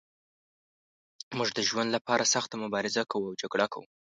موږ د ژوند لپاره سخته مبارزه کوو او جګړه کوو.